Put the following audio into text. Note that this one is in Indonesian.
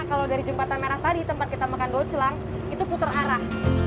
kalau dari jembatan merah tadi tempat kita makan dulu celang itu puter arah